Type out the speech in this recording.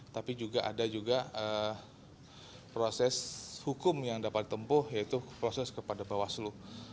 tapi juga ada juga proses hukum yang dapat ditempuh yaitu proses kepada bawaslu